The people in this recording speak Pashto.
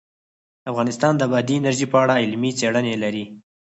افغانستان د بادي انرژي په اړه علمي څېړنې لري.